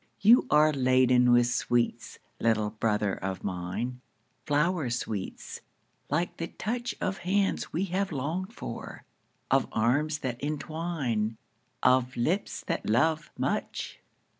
You are laden with sweets, little brother of mine, Flower sweets, like the touch Of hands we have longed for, of arms that entwine, Of lips that love much.